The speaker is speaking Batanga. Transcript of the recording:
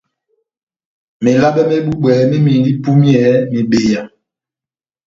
Melabe mé búbwɛ mémɛdɛndi ipúmiyɛ mebeya.